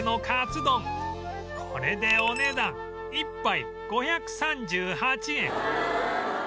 これでお値段１杯５３８円